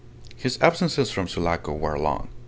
His absences from Sulaco were long.